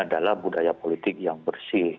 adalah budaya politik yang bersih